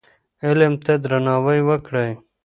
علم ته درناوی وکړئ.